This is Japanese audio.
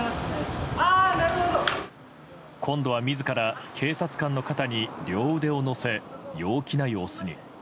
今度は自ら警察官の肩に両腕を乗せ、陽気な様子に。